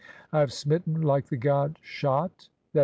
[I have smitten like the god Shat (i.